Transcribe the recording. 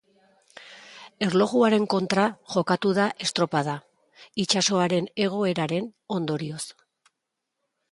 Erlojuaren kontra jokatu da estropada, itsasoaren egoeraren ondorioz.